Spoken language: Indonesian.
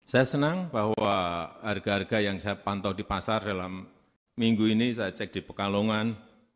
saya senang bahwa harga harga yang saya pantau di pasar dalam minggu ini saya cek di pekalongan